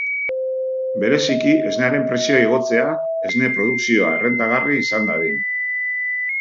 Bereziki esnearen prezioa igotzea, esne produkzioa errentagarri izan dadin.